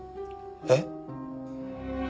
えっ？